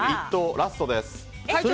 ラストです。